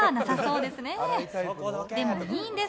でもいいんです。